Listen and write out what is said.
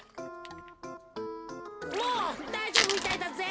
もうだいじょうぶみたいだぜ。